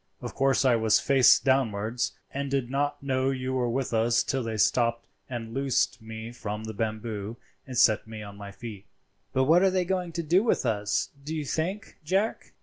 Of course I was face downwards, and did not know you were with us till they stopped and loosed me from the bamboo and set me on my feet." "But what are they going to do with us, do you think, Jack?"